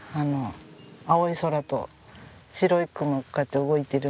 青い空と白い雲がこうやって動いてる。